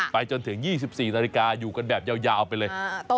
จนถึง๒๔นาฬิกาอยู่กันแบบยาวไปเลย